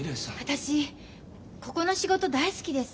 私ここの仕事大好きです。